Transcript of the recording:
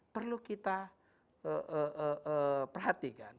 perlu kita perhatikan